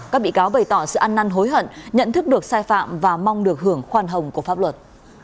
các bị cáo bày tỏ sự ăn năn hối hận nhận thức được sai phạm và mong được hưởng khoan hồng của pháp luật